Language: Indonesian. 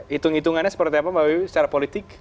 hitung hitungannya seperti apa mbak wiwi secara politik